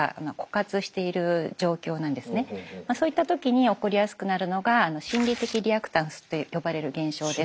そういった時に起こりやすくなるのが心理的リアクタンスと呼ばれる現象です。